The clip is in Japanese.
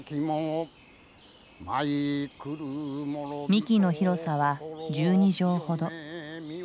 幹の広さは１２畳ほど。